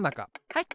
はい！